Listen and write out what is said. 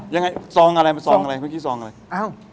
ยังไงทรองอะไรทรองอะไรเอ้า